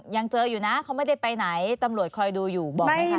ยังเจออยู่นะเขาไม่ได้ไปไหนตำรวจคอยดูอยู่บอกไหมคะ